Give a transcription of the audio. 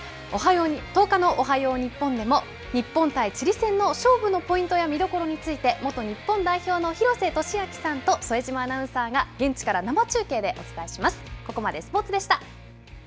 １０日のおはよう日本でも、日本対チリ戦の勝負のポイントや見どころについて、元日本代表の廣瀬俊朗さんと、副島アナウンサーが現地から生中継でお伝えします。